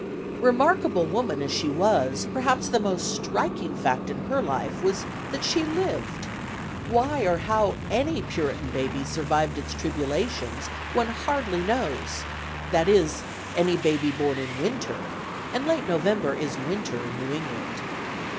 Remarkable woman as she was, perhaps the most striking fact in her life was that she lived. Why or how any Puritan baby survived its tribulations, one hardly knows; that is, any baby born in winter, and late November is winter in New England.